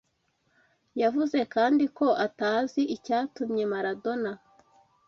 Yavuze kandi ko atazi icyatumye Maradona